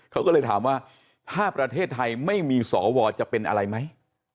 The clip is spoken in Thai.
เขาก็เลยถามว่าถ้าประเทศไทยไม่มีสวจะเป็นอะไรไหม